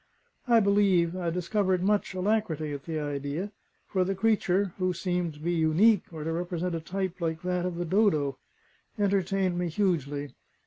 I believe I discovered much alacrity at the idea, for the creature (who seemed to be unique, or to represent a type like that of the dodo) entertained me hugely.